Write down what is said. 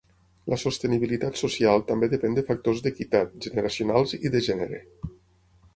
La sostenibilitat social també depèn de factors d’equitat, generacionals i de gènere.